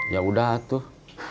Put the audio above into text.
ya udah tuh